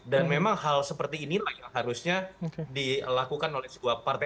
dan memang hal seperti inilah yang harusnya dilakukan oleh sebuah partai